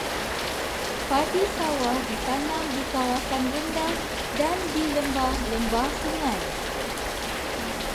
Padi sawah ditanam di kawasan rendah dan di lembah-lembah sungai.